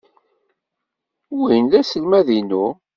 Win d aselmad-inu.